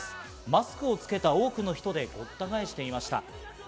マスクをつけた多くの人でごった返していました。